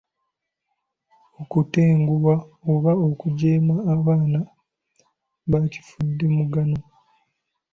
Okutenguwa oba okujeema abaana bakifudde mugano.